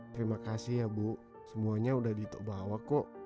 terima kasih ya bu semuanya udah bawa kok